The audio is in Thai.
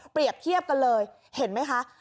เปรียบเทียบกันเลยเห็นไหมคะ